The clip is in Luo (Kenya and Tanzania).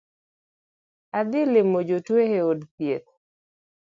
Adhi limo jatuo e od thieth